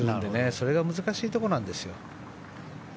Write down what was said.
それが難しいところなんですよ。